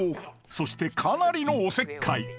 そしてかなりのおせっかい